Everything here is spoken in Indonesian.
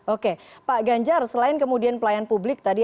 oke pak ganjar selain kemudian pelayan publik tadi